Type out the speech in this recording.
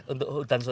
untuk hutan sosial